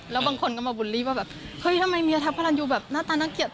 แล้วบางคนก็มาบูลลี่ว่าแบบเฮ้ยทำไมเมียทักพระรันยูแบบหน้าตาน่าเกลียด